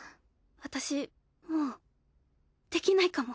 私もうできないかも。